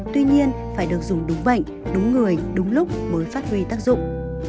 tuy nhiên phải được dùng đúng bệnh đúng người đúng lúc mới phát huy tác dụng